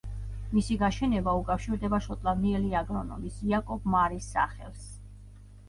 მისი გაშენება უკავშირდება შოტლანდიელი აგრონომის, იაკობ მარის, სახელს.